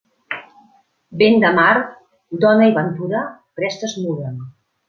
Vent de mar, dona i ventura, prest es muden.